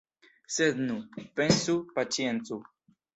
Sed nu, pensu, paĉiencu.